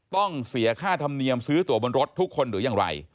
ต้องเสียค่าธรรมเนียมซื้อตัวบนรถทุกคนหรืออย่างไร